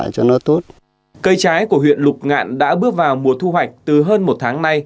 cây trái của huyện lục ngạn đã bước vào mùa thu hoạch từ hơn một tháng nay